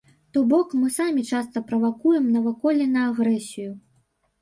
То бок, мы самі часта правакуем наваколле на агрэсію.